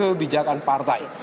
jadi kebijakan partai